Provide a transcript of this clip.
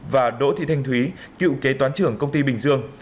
và đỗ thị thanh thúy cựu kế toán trưởng công ty bình dương